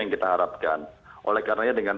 yang kita harapkan oleh karenanya dengan